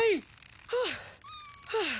はあはあ。